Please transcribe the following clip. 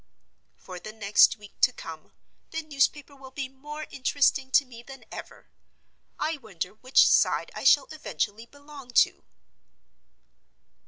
For the next week to come, the newspaper will be more interesting to me than ever. I wonder which side I shall eventually belong to?